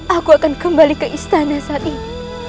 aku akan kembali ke istana saat ini